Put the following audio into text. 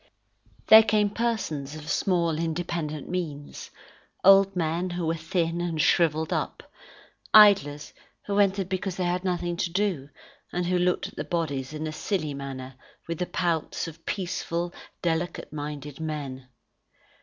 There came persons of small independent means, old men who were thin and shrivelled up, idlers who entered because they had nothing to do, and who looked at the bodies in a silly manner with the pouts of peaceful, delicate minded men.